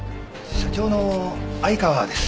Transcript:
社長の相川です。